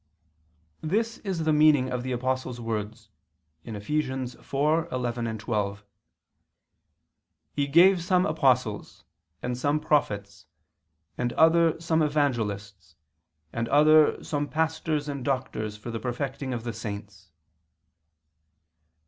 This is the meaning of the Apostle's words (Eph. 4:11, 12): "He gave some apostles, and some prophets, and other some evangelists, and other some pastors and doctors for the perfecting of the saints."